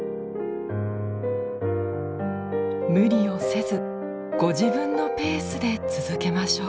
無理をせずご自分のペースで続けましょう。